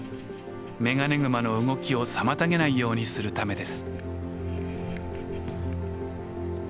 メガネグマの動きを妨げないようにするためです。